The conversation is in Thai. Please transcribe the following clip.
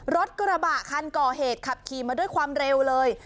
รถกระบะคันก่อเหตุขับขี่มาด้วยความเร็วเลย